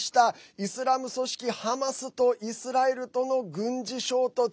イスラム組織ハマスとイスラエルとの軍事衝突。